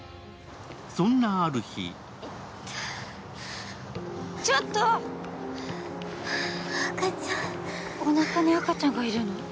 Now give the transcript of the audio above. そんなある日赤ちゃんおなかに赤ちゃんがいるの？